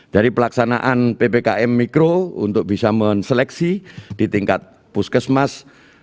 dari pelaksanaan ppkm mikro untuk bisa menseleksi di tingkat puskesmas